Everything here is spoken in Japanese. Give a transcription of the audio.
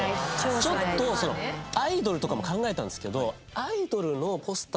ちょっとアイドルとかも考えたんですけど。